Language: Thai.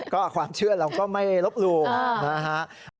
ก็ความเชื่อเราก็ไม่ลบหลู่นะฮะ